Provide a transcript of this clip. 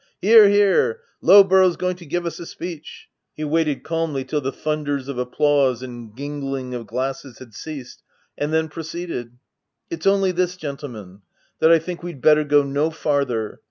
* Hear, hear! Lowborough's going to give us a speech !' u He waited calmly till the thunders of ap plause and gingling of glasses had ceased, and then proceeded, —"' It's only this, gentlemen,— that I think we'd better go no farther.